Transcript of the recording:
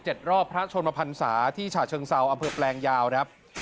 เจ็ดรอบพระชนพรรษาที่ฉะเชิงเซาอำเภอแปลงยาวนะครับ